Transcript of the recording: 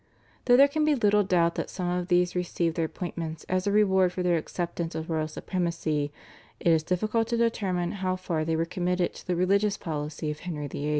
Though there can be little doubt that some of these received their appointments as a reward for their acceptance of royal supremacy, it is difficult to determine how far they were committed to the religious policy of Henry VIII.